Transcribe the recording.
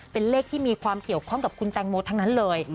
เป็นเลขที่มีความเกี่ยวข้องกับคุณแตงโมทั้งนั้นเลย